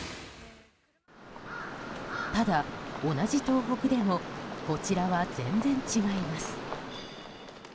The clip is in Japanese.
ただ、同じ東北でもこちらは全然違います。